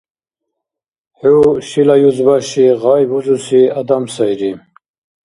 ХӀу, шила юзбаши, гъай бузуси адам сайри.